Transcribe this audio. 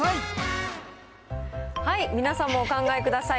皆さんもお考えください。